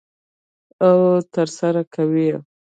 او ترسره کوي یې.